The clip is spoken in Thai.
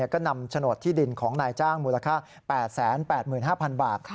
ก็นำโฉนดที่ดินของนายจ้างมูลค่า๘๘๕๐๐๐บาท